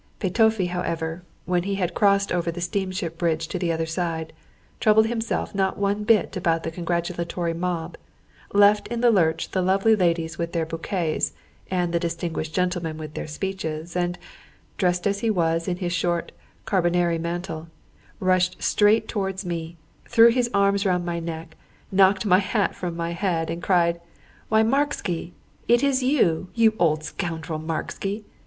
Petöfi, however, when he had crossed over the steamship bridge to the other side, troubled himself not one bit about the congratulatory mob, left in the lurch the lovely ladies with their bouquets, and the distinguished gentlemen with their speeches, and, dressed as he was in his short carbonari mantle, rushed straight towards me, threw his arms round my neck, knocked my hat from my head, and cried, "Why, Marksi! Is it you, you old scoundrel, Marksi!"